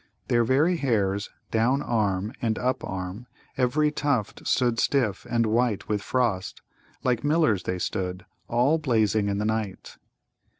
Their very hairs, down arm and up arm, every tuft stood stiff and white with frost. Like millers they stood, all blazing in the night.